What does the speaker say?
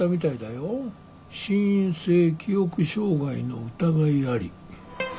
「心因性記憶障害の疑いあり」